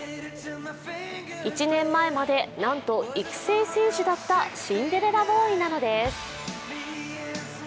１年前まで、なんと育成選手だったシンデレラボーイなのです。